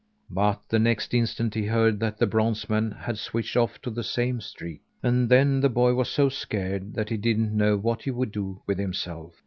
But the next instant he heard that the bronze man had switched off to the same street; and then the boy was so scared that he didn't know what he would do with himself.